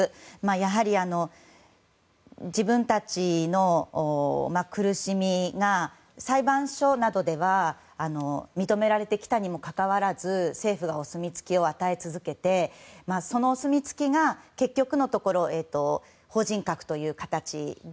やはり、自分たちの苦しみが裁判所などでは認められてきたにもかかわらず政府がお墨付きを与え続けてそのお墨付きが結局のところ法人格という形で